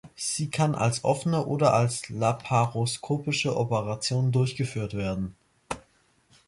Sie kann als offene oder als laparoskopische Operation durchgeführt werden.